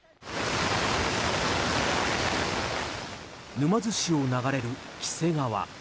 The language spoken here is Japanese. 沼津市を流れる黄瀬川。